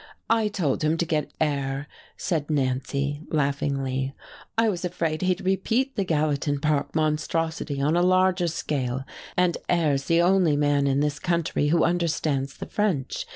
"I told him to get Eyre," said Nancy, laughingly, "I was afraid he'd repeat the Gallatin Park monstrosity on a larger scale, and Eyre's the only man in this country who understands the French.